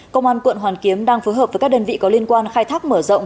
công an quận hoàn kiếm đang phối hợp với các đơn vị có liên quan khai thác mở rộng